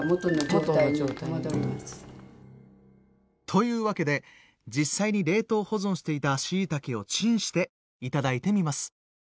というわけで実際に冷凍保存していたしいたけをチンして頂いてみます。